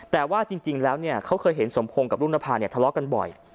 แต่ว่าจริงแล้วเขาเคยเห็นสมคงกับลุงนภาทะเลาะกันบ่อย